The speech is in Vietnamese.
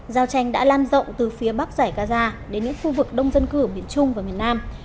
giao tranh đã lan rộng từ phía bắc giải gaza đến những khu vực đông dân cư ở miền trung và miền nam